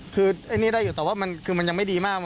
คือไอ้นี่ได้อยู่แต่ว่ามันคือมันยังไม่ดีมาก